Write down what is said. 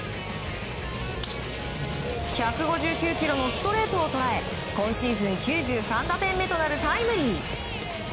１５９キロのストレートを捉え今シーズン９３打点目となるタイムリー。